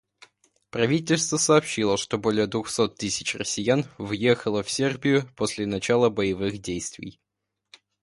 Правительство сообщило, что более двухсот тысяч россиян въехало в Сербию после начала боевых действий